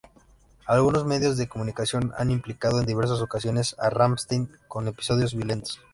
Algunos medios de comunicación han implicado en diversas ocasiones a Rammstein con episodios violentos.